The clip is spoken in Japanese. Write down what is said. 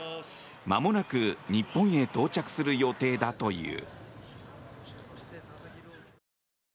まもなく日本へ到着する予定だという。